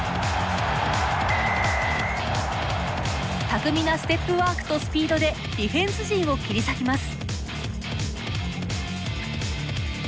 巧みなステップワークとスピードでディフェンス陣を切り裂きます。